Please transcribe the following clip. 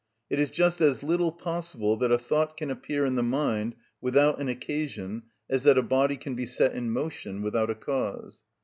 It is just as little possible that a thought can appear in the mind without an occasion as that a body can be set in motion without a cause.